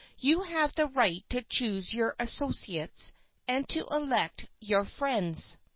You have the right to choose your associates and to elect your friends.